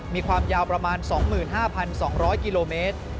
มีความยาวประมาณ๒๕๒๐๐กิโลเมตร